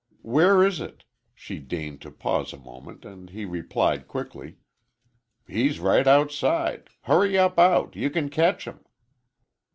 "Where is it?" she deigned to pause a moment, and he replied quickly: "He's right outside,—hurry up out,—you can catch him!"